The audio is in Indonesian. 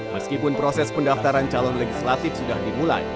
meskipun proses pendaftaran calon legislatif sudah dimulai